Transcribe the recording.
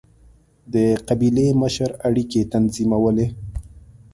د قبیلې مشر اړیکې تنظیمولې.